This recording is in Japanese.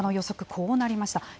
こうなりました。